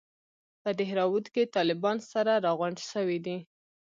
په دهراوت کښې طالبان سره راغونډ سوي دي.